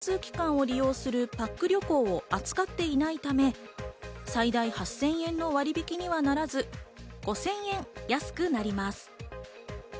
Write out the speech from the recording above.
この旅館は公共交通機関を利用するパック旅行を扱っていないため、最大８０００円の割引にはならず、５０００円安くなります。